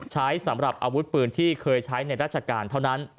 สำหรับอาวุธปืนที่เคยใช้ในราชการเท่านั้น